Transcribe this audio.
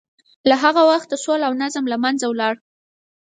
له هغه وخته سوله او نظم له منځه ولاړ.